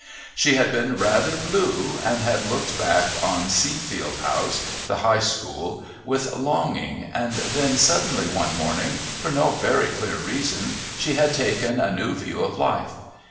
She had been rather "blue" and had looked back on Seafield House, the High School, with longing, and then suddenly, one morning, for no very clear reason she had taken a new view of life.